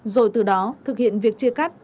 rồi từ đó thực hiện việc chia cắt